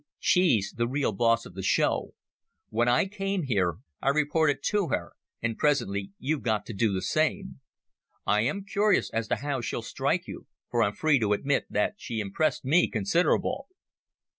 She's the real boss of the show. When I came here, I reported to her, and presently you've got to do the same. I am curious as to how she'll strike you, for I'm free to admit that she impressed me considerable."